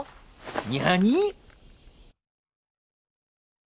にゃに！？